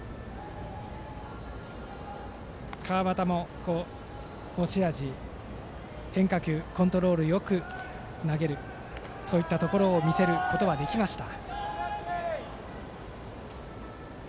川端も持ち味の変化球をコントロールよく投げるそういったところを見せることはできました。